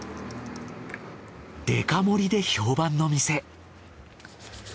でか盛りで評判の店。